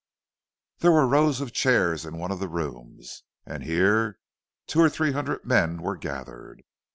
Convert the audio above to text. There were rows of chairs in one of the rooms, and here two or three hundred men were gathered.